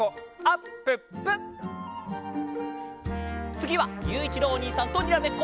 つぎはゆういちろうおにいさんとにらめっこ。